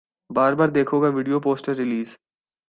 بار بار دیکھو کا ویڈیو پوسٹر ریلیز